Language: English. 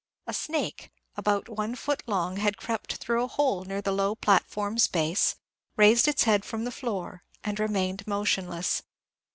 A snake, about one foot long, had crept through a hole near the low platform's base, raised its head from the floor, and re mained motionless.